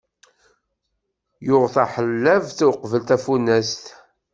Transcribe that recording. Yuɣ taḥellabt uqbel tafunast.